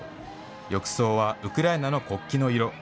浴槽はウクライナの国旗の色。